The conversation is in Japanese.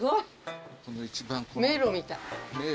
迷路みたい。